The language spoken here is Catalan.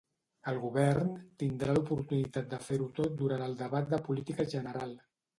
El Govern tindrà l'oportunitat de fer-ho tot durant el debat de política general.